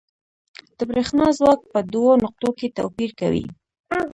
د برېښنا ځواک په دوو نقطو کې توپیر کوي.